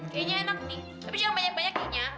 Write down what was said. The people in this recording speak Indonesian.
kayaknya enak nih tapi jangan banyak banyak kayaknya